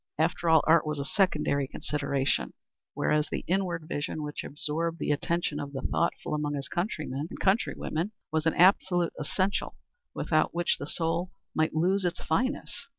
After all, art was a secondary consideration, whereas the inward vision which absorbed the attention of the thoughtful among his countrymen and countrywomen was an absolute essential without which the soul must lose its fineness.